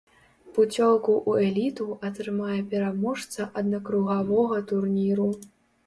Пуцёўку ў эліту атрымае пераможца аднакругавога турніру.